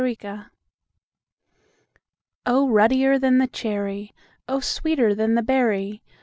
Song O RUDDIER than the cherry! O sweeter than the berry!